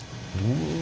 うわ！